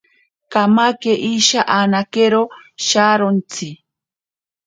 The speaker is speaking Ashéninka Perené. Kamake isha anakero sharontsi.